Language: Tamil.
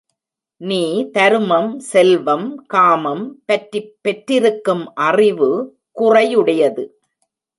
நீ தருமம், செல்வம், காமம் பற்றிப் பெற்றிருக்கும் அறிவு குறையுடையது.